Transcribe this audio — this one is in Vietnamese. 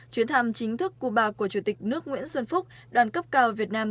chuyến thăm chính thức cuba của chủ tịch nước nguyễn xuân phúc đoàn cấp cao việt nam